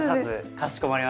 かしこまりました！